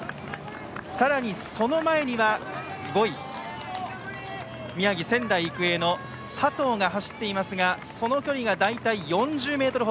さらにその前には５位の宮城・仙台育英の佐藤が走っていますが、その距離が大体４０ｍ程。